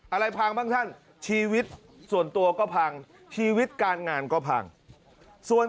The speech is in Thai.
อะไรพังบ้างท่านชีวิตส่วนตัวก็พังชีวิตการงานก็พังส่วน